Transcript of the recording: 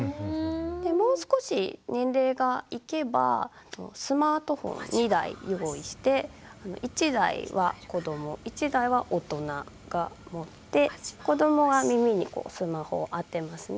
もう少し年齢がいけばスマートフォン２台用意して１台は子ども１台は大人が持って子どもが耳にスマホを当てますね。